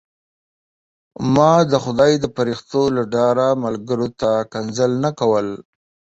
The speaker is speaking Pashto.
ما د خدای د فرښتو له ډاره ملګرو ته کنځل نه کول.